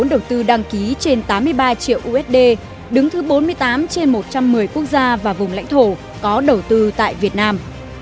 vốn đầu tư đăng ký trên tám mươi ba triệu usd đứng thứ bốn mươi tám trên một trăm một mươi quốc gia và vùng lãnh thổ có đầu tư tại việt nam